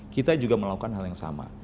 kita juga melakukan hal yang sama